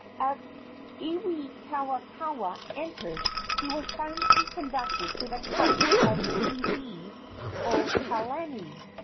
As Iwikauikaua entered he was silently conducted to the couch of Kealiiokalani.